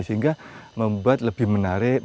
sehingga membuat lebih menarik